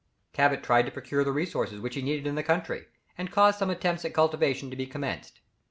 Cabot tried to procure the resources which he needed in the country, and caused some attempts at cultivation to be commenced.